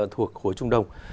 thuộc khối trung đông